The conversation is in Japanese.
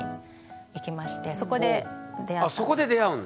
そこで出会うんだ。